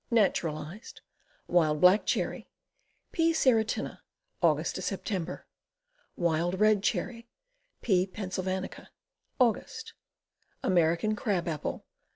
Naturalized. Wild Black Cherry. P. serotina. Aug Sep. Wild Red Cherry. P. Pennsylvanica. Aug. American Crab Apple.